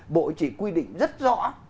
bộ anh chị quy định rất rõ